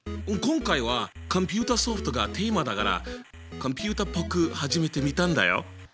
今回は「コンピューターソフト」がテーマだからコンピューターっぽく始めてみたんだよ！